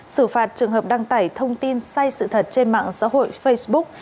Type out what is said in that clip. xử phạt trường hợp đăng tải thông tin sai sự thật trên mạng xã hội facebook